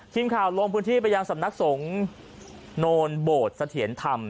ทีมข่าวลงพื้นที่ไปยังสำนักสงฆ์โนนโบสถียรธรรม